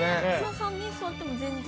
◆３人座っても全然。